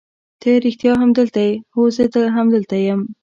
ته رښتیا هم دلته یې؟ هو زه همدلته یم.